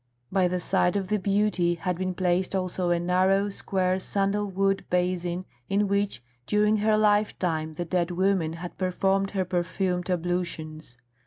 By the side of the beauty had been placed also a narrow, square sandal wood basin in which, during her lifetime, the dead woman had performed her perfumed ablutions.